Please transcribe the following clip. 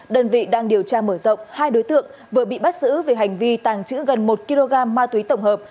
đơn vị đang điều tra mở rộng hai đối tượng vừa bị bắt giữ về hành vi tàng trữ gần một kg ma túy tổng hợp